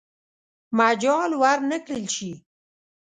مجال ورنه کړل شي.